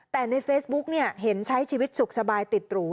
แต่ในเฟซบุ๊กเนี่ยเห็นใช้ชีวิตสุขสบายติดหรู